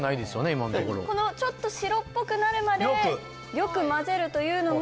今のところこのちょっと白っぽくなるまでよくまぜるというのが